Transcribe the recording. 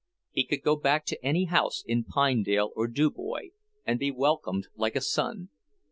He could go back to any house in Pinedale or Du Bois and be welcomed like a son.